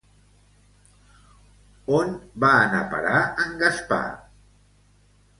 On va anar a parar en Gaspar?